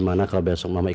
tentang apa yang terjadi